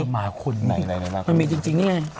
มันมีจริงนี่ไง